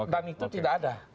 dan itu tidak ada